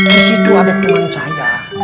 di situ ada teman saya